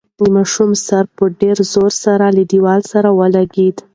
د ماشوم سر په ډېر زور سره له دېوال سره ولګېد.